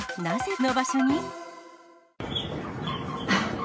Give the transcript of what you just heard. なぜこの場所に？